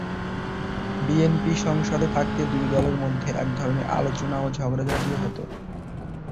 BNP সংসদে থাকতে দুই দলের মধ্যে একধরনের আলোচনা ও ঝগড়াঝাঁটিও হতো।